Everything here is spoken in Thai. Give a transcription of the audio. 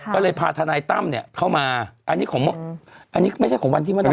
ก็เลยพาทนายตั้มเนี่ยเข้ามาอันนี้ไม่ใช่ของวันที่มะดำค่ะ